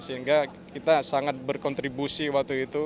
sehingga kita sangat berkontribusi waktu itu